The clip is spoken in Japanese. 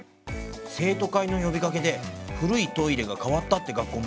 生徒会の呼びかけで古いトイレが変わったって学校もあるんだって。